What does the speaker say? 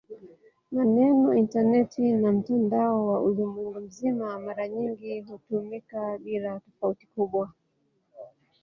Maneno "intaneti" na "mtandao wa ulimwengu mzima" mara nyingi hutumika bila tofauti kubwa.